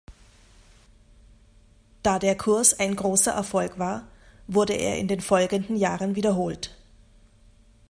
Da der Kurs ein großer Erfolg war, wurde er in den folgenden Jahren wiederholt.